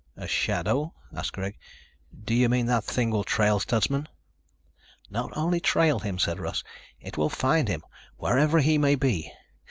"A shadow?" asked Greg. "Do you mean that thing will trail Stutsman?" "Not only trail him," said Russ. "It will find him, wherever he may be.